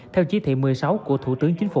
theo chỉ thị một mươi sáu của thủ tướng chính phủ